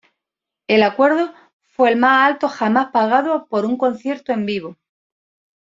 El acuerdo fue el más alto jamás pagado por un concierto en vivo.